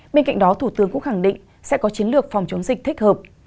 bên cạnh đó thủ tướng cũng khẳng định sẽ có chiến lược phòng chống dịch thích hợp